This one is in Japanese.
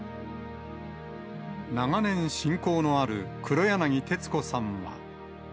長年、親交のある、黒柳徹子さんは。